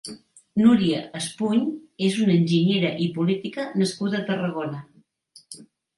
Núria Espuny és una enginyera i política nascuda a Tarragona.